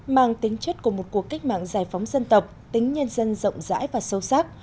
mang tính chất của một cuộc cách mạng giải phóng dân tộc tính nhân dân rộng rãi và sâu sắc